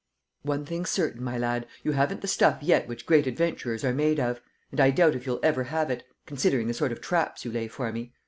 "One thing's certain, my lad: you haven't the stuff yet which great adventurers are made of; and I doubt if you'll ever have it, considering the sort of traps you lay for me.